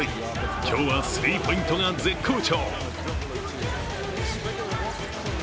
今日はスリーポイントが絶好調。